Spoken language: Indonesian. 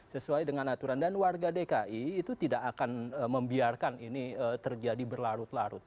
sesuai dengan aturan dan warga dki itu tidak akan membiarkan ini terjadi berlarut larut